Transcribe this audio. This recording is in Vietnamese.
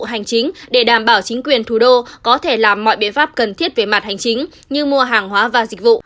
hành chính để đảm bảo chính quyền thủ đô có thể làm mọi biện pháp cần thiết về mặt hành chính như mua hàng hóa và dịch vụ